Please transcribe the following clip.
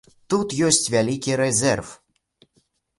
Тут ёсць вялікі рэзерв.